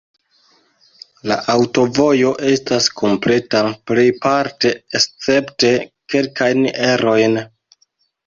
La aŭtovojo estas kompleta plejparte, escepte kelkajn erojn.